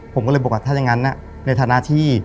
ผมก็เลยบอกว่าถ้าอย่างนั้นในฐานะที่